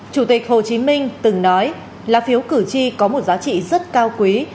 chủ tịch hồ chí minh từng nói là phiếu cử tri có một giá trị rất cao quý